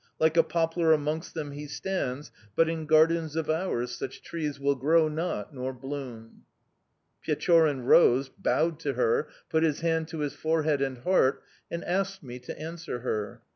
Like a poplar amongst them he stands, but in gardens of ours such trees will grow not nor bloom!' "Pechorin rose, bowed to her, put his hand to his forehead and heart, and asked me to answer her.